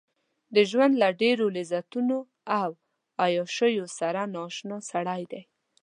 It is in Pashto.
د ژوند له ډېرو لذتونو او عياشيو سره نااشنا سړی دی.